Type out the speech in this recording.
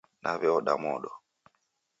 Naw'eoda modo.